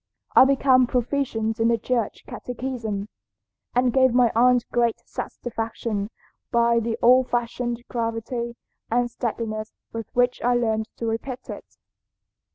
I became proficient in the Church catechism, and gave my aunt great satisfaction by the old fashioned gravity and steadiness with which I learned to repeat it.